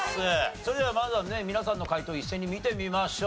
それではまずはね皆さんの解答一斉に見てみましょう。